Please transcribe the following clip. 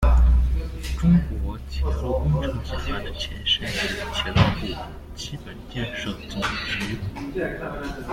中国铁路工程集团的前身是铁道部基本建设总局。